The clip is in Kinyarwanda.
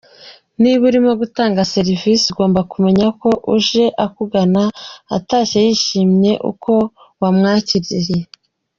Niba urimo gutanga serivisi ugomba kumenya ko uje akugana atashye yishimiye uko wamwakiriye.